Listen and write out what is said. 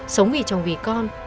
sống vì chồng vì con